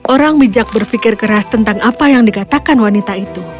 orang bijak berpikir keras tentang apa yang dikatakan wanita itu